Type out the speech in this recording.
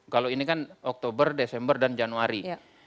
kalau ini kan oktober desember dan januari